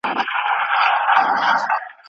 د حاجيانو ځاى مکه ده.